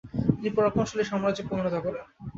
তিনি পরাক্রমশালী সম্রাজ্যে পরিনত করেন।